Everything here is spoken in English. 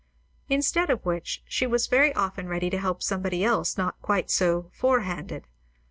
Instead of which, she was very often ready to help somebody else not quite so "forehanded."